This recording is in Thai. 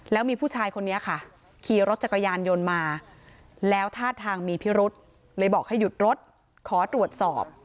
แล้วมีผู้ชายคนนี้ค่ะขี่รถจักรยานยนต์มาแล้วท่าทางมีพิรุษเลยบอกให้หยุดรถขอตรวจสอบ